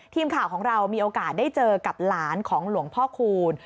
ทีมข่าวของเรามีโอกาสได้เจอกับหลานของหลวงพ่อคูณ